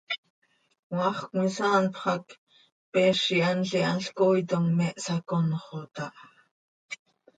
Cmaax cömisaanpx hac, peez ihanl ihanl cooitom me hsaconxot aha.